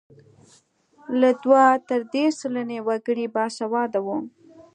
له دوه تر درې سلنې وګړي باسواده وو.